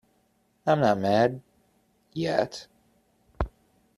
I’m not mad — yet.